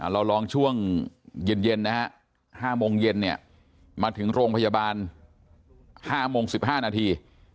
เราลองช่วงเย็นนะครับ๕โมงเย็นมาถึงโรงพยาบาล๕โมง๑๕นาที